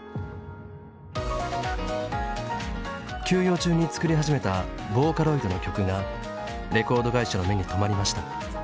休養中に作り始めたボーカロイドの曲がレコード会社の目に留まりました。